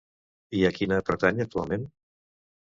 I a quina pertany actualment?